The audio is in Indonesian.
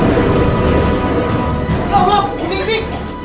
iya itu kayaknya suaranya bumi sih